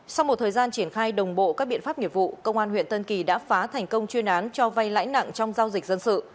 sau một thời gian triển khai đồng bộ các biện pháp nghiệp vụ công an huyện tân kỳ đã phá thành công chuyên án cho vay lãi nặng trong giao dịch dân sự